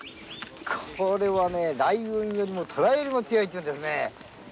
これはライオンよりもトラよりも強いというんですね。